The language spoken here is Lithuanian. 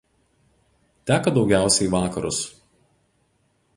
Teka daugiausia į vakarus.